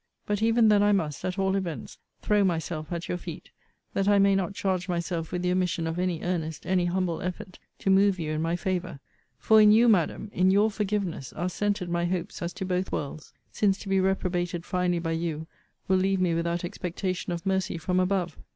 But even then I must, at all events, throw myself at your feet, that I may not charge myself with the omission of any earnest, any humble effort, to move you in my favour: for in YOU, Madam, in YOUR forgiveness, are centred my hopes as to both worlds: since to be reprobated finally by you, will leave me without expectation of mercy from above!